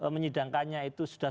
menyidangkannya itu sudah